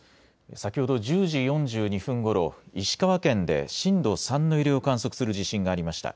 先ほど１０時４２分ごろ石川県で震度３の揺れを観測する地震がありました。